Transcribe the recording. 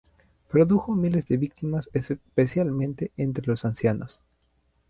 Produjo miles de víctimas, especialmente entre los ancianos.